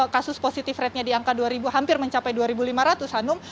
kasus positif ratenya di angka dua hampir mencapai dua lima ratus hanum